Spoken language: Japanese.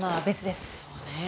そうね。